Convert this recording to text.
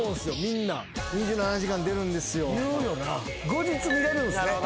後日見れるんすね？